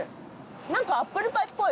何かアップルパイっぽい。